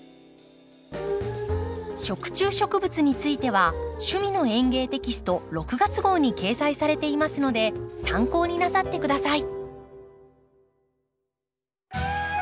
食虫植物については「趣味の園芸」テキスト６月号に掲載されていますので参考になさって下さい。